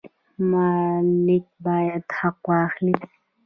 مالک باید حق واخلي.